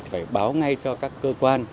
phải báo ngay cho các cơ quan